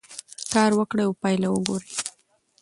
کار وکړئ او پایله یې وګورئ.